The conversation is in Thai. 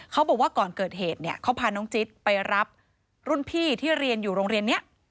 เขาบอกว่าก่อนเกิดเหตุเนี่ยเขาพาน้องจิ๊ดไปรับรุ่นพี่ที่เรียนอยู่โรงเรียนนี้